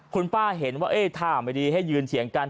คุณป้าเห็นว่าท่าไม่ดีให้ยืนเถียงกัน